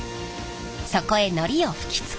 そこへのりを吹きつけ